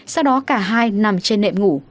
sau đó cả hai nằm trên nệm ngủ